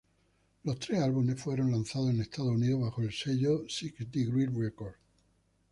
Los tres álbumes fueron lanzados en Estados Unidos bajo el sello Six Degrees Records.